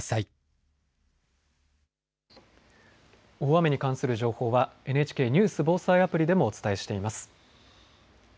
そして、大雨に関する情報はＮＨＫニュース・防災アプリでもお伝えしています。